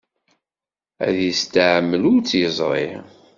Ad yesteɛmel ur tt-yeẓri.